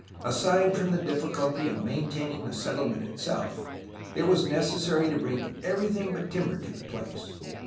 Aside from the difficulty of maintaining the settlement itself, it was necessary to bring CORTES AND CALIFORNIA 49 everything but timber to the place.